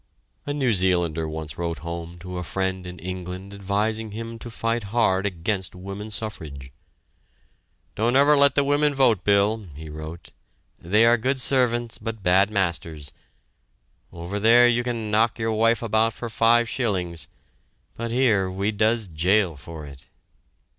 A New Zealander once wrote home to a friend in England advising him to fight hard against woman suffrage. "Don't ever let the wimmin vote, Bill," he wrote. "They are good servants, but bad masters. Over there you can knock your wife about for five shillings, but here we does jail for it!"